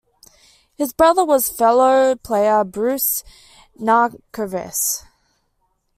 His brother was fellow player Bruce Nankervis.